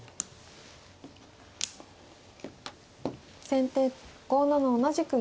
先手５七同じく銀。